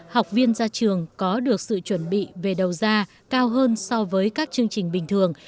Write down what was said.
học viên ra trường có được sự chuẩn bị về đầu ra cao hơn so với các chương trình bình thường